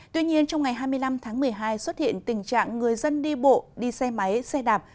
tuy nhiên trong ngày hai mươi năm tháng một mươi hai xuất hiện tình trạng người dân đi bộ đi xe máy xe đạp